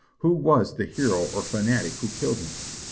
Who was the hero or fanatic who killed him?